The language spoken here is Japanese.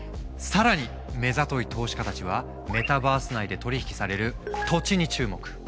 更に目ざとい投資家たちはメタバース内で取り引きされる土地に注目。